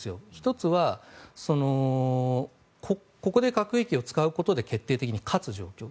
１つはここで核兵器を使うことで決定的に勝つ状況。